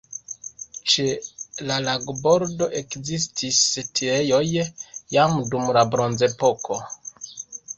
Ĉe la lagobordo ekzistis setlejoj jam dum la bronzepoko.